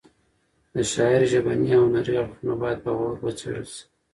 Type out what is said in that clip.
د شاعر ژبني او هنري اړخونه باید په غور وڅېړل شي.